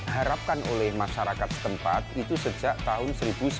harapkan oleh masyarakat setempat itu sejak tahun